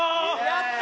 やった！